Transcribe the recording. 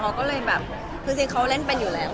เขาก็เลยแบบคือจริงเขาเล่นเป็นอยู่แล้ว